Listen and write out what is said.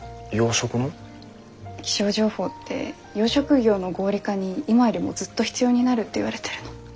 気象情報って養殖業の合理化に今よりもずっと必要になるって言われてるの。